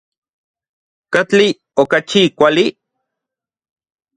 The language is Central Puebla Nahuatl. ¿Katli okachi kuali?